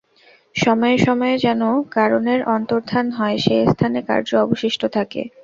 সময়ে সময়ে যেন কারণের অন্তর্ধান হয়, সেই স্থানে কার্য অবশিষ্ট থাকে।